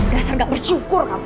dasar gak bersyukur kamu